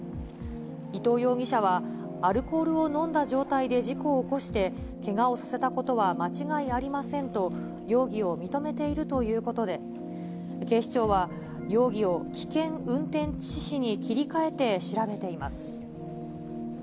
伊東容疑者は、アルコールを飲んだ状態で事故を起こしてけがをさせたことは間違いありませんと、容疑を認めているということで、警視庁は、容疑を危険運転致死に切り替えて調べています。